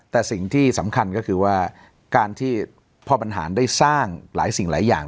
แต่สิ่งที่สำคัญก็คือว่าการที่พ่อบรรหารได้สร้างหลายสิ่งหลายอย่าง